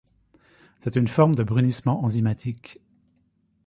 C'est une forme de brunissement enzymatique.